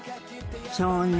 そうね。